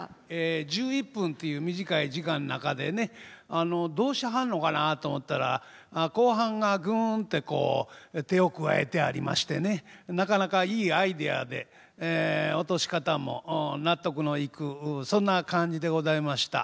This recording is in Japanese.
あのどうしはんのかなと思ったら後半がぐんてこう手を加えてありましてねなかなかいいアイデアで落とし方も納得のいくそんな感じでございました。